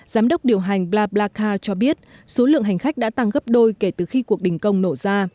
giám đốc điều hành blablaca cho biết số lượng hành khách đã tăng gấp đôi kể từ khi cuộc đình công nổ ra